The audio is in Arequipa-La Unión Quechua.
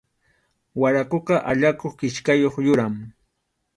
Waraquqa allakuq kichkayuq yuram.